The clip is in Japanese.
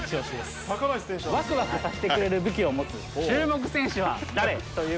わくわくさせてくれる武器を持つ注目選手は誰？